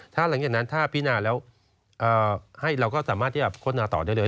ถ้าหลังจากนั้นถ้าพินาแล้วเราก็สามารถที่จะค้นหาต่อได้เลย